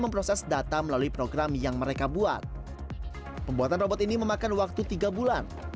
pembuatan robot ini memakan waktu tiga bulan